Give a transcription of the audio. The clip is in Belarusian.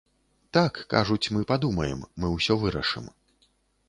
Так, кажуць, мы падумаем, мы ўсё вырашым.